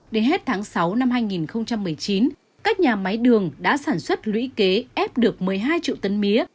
đến hết tháng sáu năm hai nghìn một mươi chín các nhà máy đường đã sản xuất lũy kế ép được một mươi hai triệu tấn mía